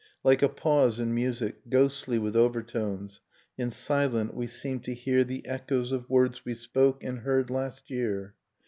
Like a pause in music, ghostly with overtones, And, silent, we seem to hear The echoes of words we spoke and heard last year.